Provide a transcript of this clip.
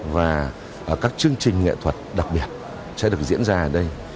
và các chương trình nghệ thuật đặc biệt sẽ được diễn ra ở đây